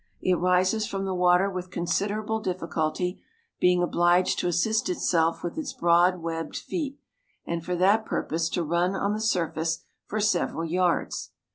It rises from the water with considerable difficulty, being obliged to assist itself with its broad webbed feet, and for that purpose to run on the surface for several yards.